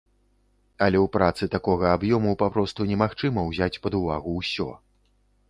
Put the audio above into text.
Але ў працы такога аб'ёму папросту немагчыма ўзяць пад увагу ўсё.